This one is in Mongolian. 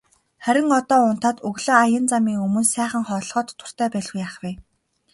Харин одоо унтаад өглөө аян замын өмнө сайхан хооллоход дуртай байлгүй яах вэ.